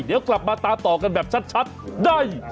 เดี๋ยวกลับมาตามต่อกันแบบชัดได้